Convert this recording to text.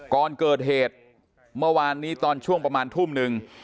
ก่อนเกิดเหตุเมื่อวานนี้ตอนช่วงประมาณทุ่มหนึ่ง